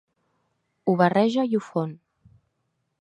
Ho barreja i ho fon.